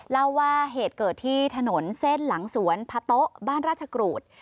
เล่าว่าเหตุเกิดที่ถนนเส้นหลังสวนพะโต๊ะบ้านราชกรูด